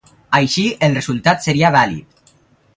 Així, el resultat seria vàlid.